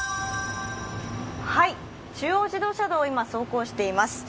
中央自動車道を今、走行しています。